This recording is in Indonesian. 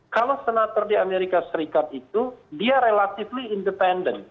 kalau senator di amerika serikat itu dia relatively independent